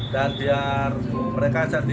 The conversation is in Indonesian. dan biar mereka jadi